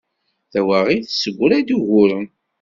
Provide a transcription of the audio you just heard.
Tawaɣit tessegra-d uguren.